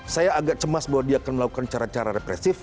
saya agak cemas bahwa dia akan melakukan cara cara represif